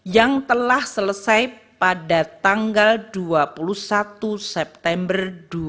yang telah selesai pada tanggal dua puluh satu september dua ribu dua puluh